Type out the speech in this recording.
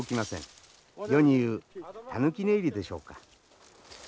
世に言うたぬき寝入りでしょうか。